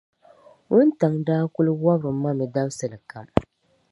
Wuntaŋ’ daa kul wɔbiri ma mi dabisili kam.